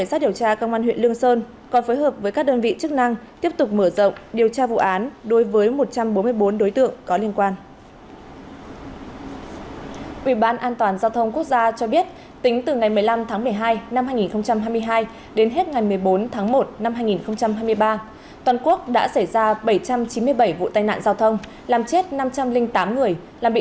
tính từ ngày một mươi năm tháng một mươi hai năm hai nghìn hai mươi hai đến hết ngày một mươi bốn tháng một năm hai nghìn hai mươi ba toàn quốc đã xảy ra bảy trăm chín mươi bảy vụ tai nạn giao thông làm chết năm trăm linh tám người làm bị thương năm trăm linh năm người